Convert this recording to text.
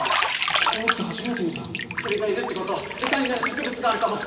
ここに来て初めて見た鳥がいるってことは餌になる植物があるかも！